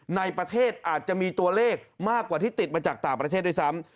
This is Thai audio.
ในประเทศอาจจะมีตัวเลขมากกว่าที่ติดมาจากต่างประเทศด้วยซ้ำ